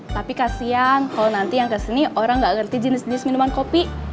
tapi kasihan kalau nanti yang kesini orang tidak mengerti jenis jenis minuman kopi